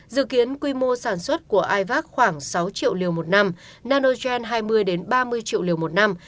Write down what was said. dự kiến quy mô sản xuất của ivac khoảng sáu triệu liều một năm nanogen hai mươi ba mươi triệu liều một năm